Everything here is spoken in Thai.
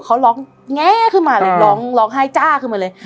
เขาร้องแง่ขึ้นมาเลยร้องร้องไห้จ้าขึ้นมาเลย